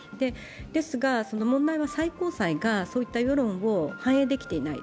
ですが、問題は最高裁がそういった世論を反映できていない。